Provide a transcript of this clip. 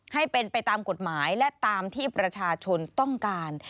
ให้เป็นไปตามกฎหมายและตามที่ประชาชนต้องการ